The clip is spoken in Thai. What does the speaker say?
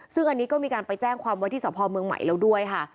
ซึ่งอันนี้ก็มีการไปแจ้งความไว้ที่สพเมืองใหม่แล้วด้วยค่ะ